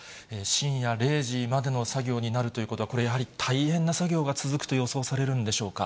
深夜０時までの作業になるということは、これはやはり大変な作業が続くと予想されるんでしょうか。